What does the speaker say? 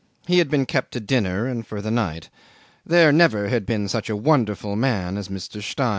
He had been kept to dinner and for the night. There never had been such a wonderful man as Mr. Stein.